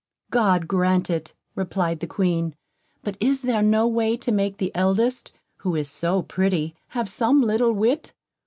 "God grant it," replied the Queen; "but is there no way to make the eldest, who is so pretty, have some little wit?"